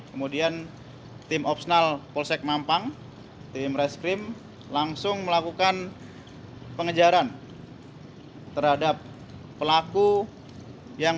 kemudian tim opsnal polsek mampang tim reskrim langsung melakukan pengejaran terhadap pelaku yang